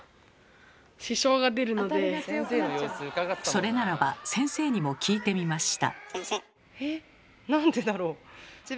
それならば先生にも聞いてみました。